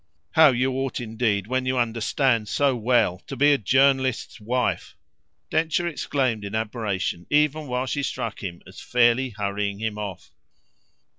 "How you ought indeed, when you understand so well, to be a journalist's wife!" Densher exclaimed in admiration even while she struck him as fairly hurrying him off.